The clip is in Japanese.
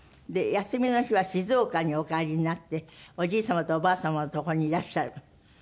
で休みの日は静岡にお帰りになっておじい様とおばあ様のとこにいらっしゃる。